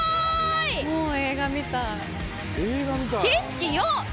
もう映画みたい。